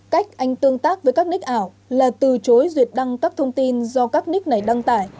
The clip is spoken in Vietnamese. cách anh tương tác với các nick ảo là từ chối duyệt đăng các thông tin do các nick này đăng tải